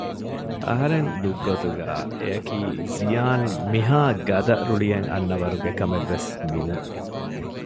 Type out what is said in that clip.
އަހަރެން ދުށްގޮތުގައި އެޔަކީ ޒިޔާން މިހާ ގަދަ ރުޅިއެއް އަންނަ ވަރުގެ ކަމެއް ވެސް ނޫން